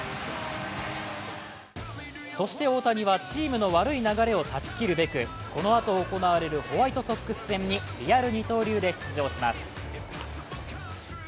そして大谷はチームの悪い流れを断ち切るべくこのあと行われるホワイトソックス戦にリアル二刀流で出場します。